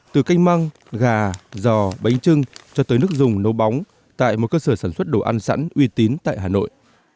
từ canh măng gà giò bánh trưng cho tới nước dùng nấu bóng tại một cơ sở sản xuất đồ ăn sẵn uy tín tại hà nội